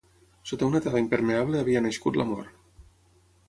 Sota una tela impermeable havia nascut l'amor.